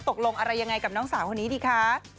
ตกลงอะไรยังไงกับน้องสาวคนนี้ดีคะ